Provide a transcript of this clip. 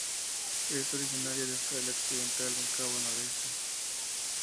Es originaria de Australia Occidental en Cabo Noroeste.